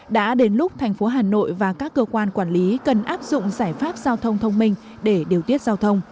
đã đến lúc thành phố hà nội và các cơ quan quản lý cần áp dụng giải pháp giao thông thông minh để điều tiết giao thông